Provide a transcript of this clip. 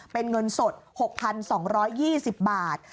เป็นเงินสด๖๒๒๐บาท